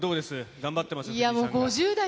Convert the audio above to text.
頑張ってますよね。